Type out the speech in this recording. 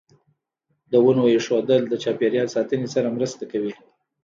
د ونو ایښودل د چاپیریال ساتنې سره مرسته کوي.